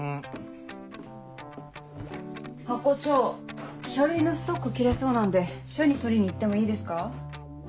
ハコ長書類のストック切れそうなんで署に取りに行ってもいいですか？